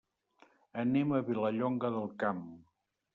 Anem a Vilallonga del Camp.